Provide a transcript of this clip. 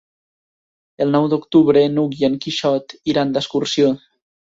El nou d'octubre n'Hug i en Quixot iran d'excursió.